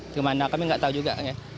kemana kami nggak tahu juga